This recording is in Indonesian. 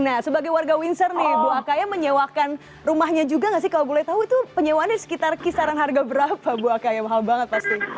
nah sebagai warga windsor nih bu akaya menyewakan rumahnya juga nggak sih kalau boleh tahu itu penyewaannya sekitar kisaran harga berapa bu akaya mahal banget pasti